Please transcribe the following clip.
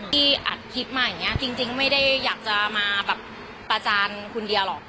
ที่อัดคลิปมาอย่างนี้จริงไม่ได้อยากจะมาแบบประจานคนเดียวหรอก